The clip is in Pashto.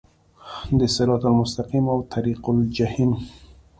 د صراط المستقیم او طریق الجحیم